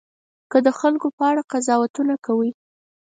که د خلکو په اړه قضاوتونه کوئ.